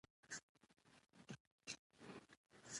افغانستان کې د بامیان لپاره دپرمختیا پروګرامونه شته.